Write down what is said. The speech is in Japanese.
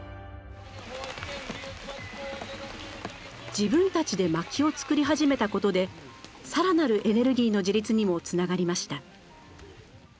自分たちで薪を作り始めたことでさらなるエネルギーの自立にもつながりました。